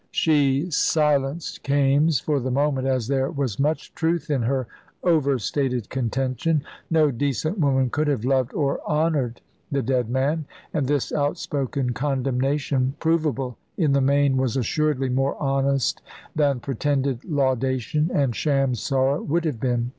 She silenced Kaimes for the moment, as there was much truth in her overstated contention. No decent woman could have loved or honoured the dead man; and this outspoken condemnation, provable in the main, was assuredly more honest than pretended laudation and sham sorrow would have been.